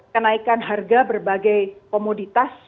kenaikan harga berbagai komoditas